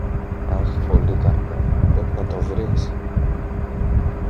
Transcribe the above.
Αχ, Πολύκαρπε, Πρέπει να το βρεις!